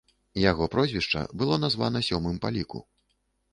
Яго прозвішча было названа сёмым па ліку.